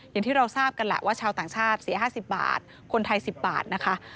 อย่างที่เราทราบกันแหละว่าชาวต่างชาติเสีย๕๐บาทคนไทย๑๐บาทนะคะ